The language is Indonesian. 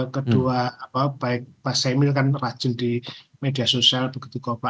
kedua baik pak semil kan rajin di media sosial begitu kovah